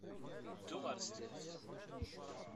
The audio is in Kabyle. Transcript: Ddu ɣer sdat!